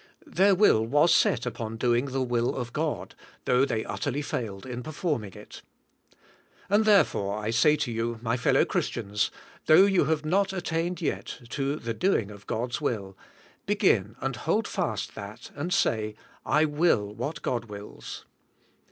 Their will was set upon doing the will of God, though they utterly failed in performing it. And therefore I say to you, my fellow Christians, WIIvIyING AND DOING. IBI thoug h. you have not attained yet to the doing of God's will, begin and hold fast that and say, I will what God wills.